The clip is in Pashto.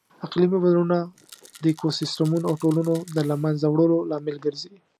اقلیمي بدلونونه د ایکوسیسټمونو او ټولنو د لهمنځه وړلو لامل ګرځي.